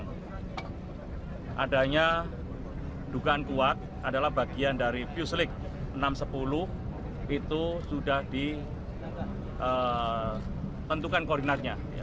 nah adanya dugaan kuat adalah bagian dari puslik enam ratus sepuluh itu sudah ditentukan koordinatnya